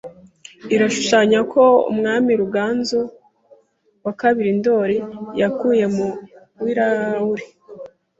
irashushanya ko Umwami Ruganzu II Ndoli yakuye mu wiraure